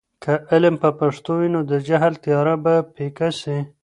که علم په پښتو وي، نو د جهل تیاره به پیکه سي.